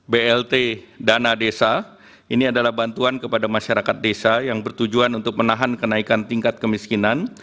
blt dana desa ini adalah bantuan kepada masyarakat desa yang bertujuan untuk menahan kenaikan tingkat kemiskinan